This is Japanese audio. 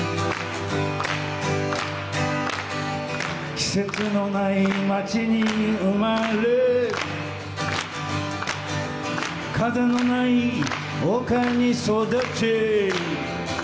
「季節のない街に生れ風のない丘に育ち」